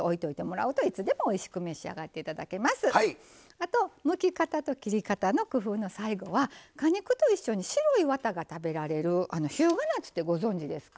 あとむき方と切り方の工夫の最後は果肉と一緒に白いワタが食べられる日向夏ってご存じですか？